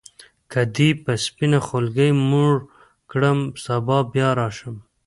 که دي په سپینه خولګۍ موړ کړم سبا بیا راشم.